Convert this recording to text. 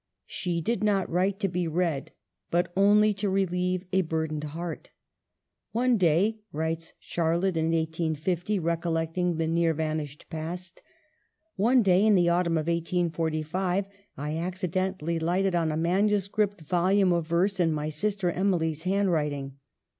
She did not write to be read, but only to relieve a burdened heart. " One day," writes Charlotte in 1850, recollecting the near, vanished past, " one day in the autumn of 1845, I accidentally lighted on a manuscript vol ume of verse in my sister Emily's handwriting.